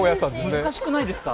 難しくないですか？